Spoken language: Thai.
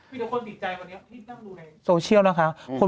มีคนติดใจวันนี้ตั้งดูในโซเชียลนะคะ